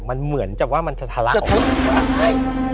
มันเหมือนจะว่ามันจะทะละของ